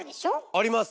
あります！